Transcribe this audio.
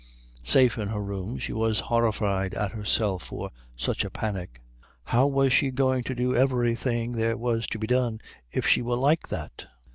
Safe in her room she was horrified at herself for such a panic. How was she going to do everything there was to be done if she were like that?